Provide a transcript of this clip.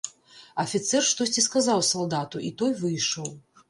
Афіцэр штосьці сказаў салдату, і той выйшаў.